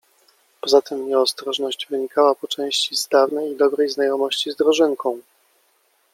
Poza tym nieostrożność wynikała po części z dawnej i dobrej znajomości z drożynką